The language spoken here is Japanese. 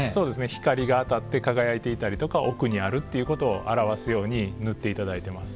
光が当たって輝いていたりとか奥にあるということを表すように塗っていただいてます。